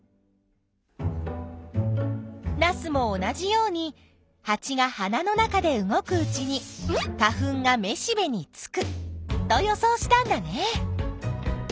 ナスも同じようにハチが花の中で動くうちに花粉がめしべにつくと予想したんだね。